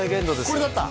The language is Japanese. これだった？